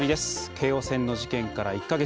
京王線の事件から１か月。